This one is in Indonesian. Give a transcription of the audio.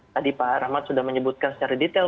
tadi pak rahmat sudah menyebutkan secara detail